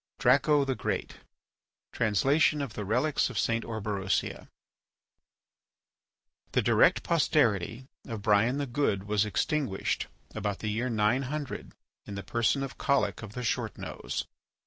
DRACO THE GREAT (Translation of the Relics of St. Orberosia) The direct posterity of Brian the Good was extinguished about the year 900 in the person of Collic of the Short Nose.